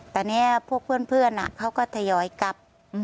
แต่เนี่ยพวกเพื่อนเขาก็ทยอยกลับ